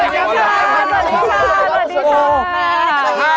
สวัสดีค่ะ